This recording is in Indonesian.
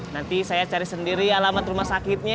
nanti saya cari sendiri alamat rumah sakitnya